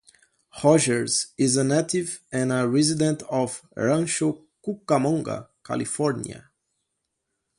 Rogers is a native and a resident of Rancho Cucamonga, California.